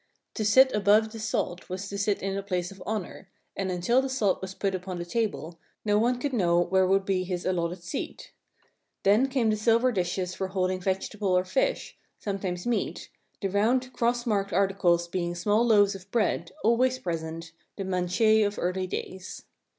To sit above the salt was to sit in a place of honor, and until the salt was put upon the table no one could know where would be his allotted seat. Then came the silver dishes for holding vegetable or fish, sometimes meat, the round round cross marked articles being small loaves of bread, always present, the "manchet" of early days.